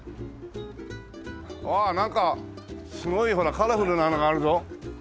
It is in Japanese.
ああっなんかすごいカラフルなのがあるぞ。